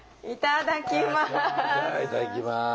いただきます！